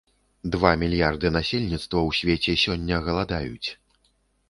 Два мільярды насельніцтва ў свеце сёння галадаюць.